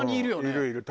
いるいる。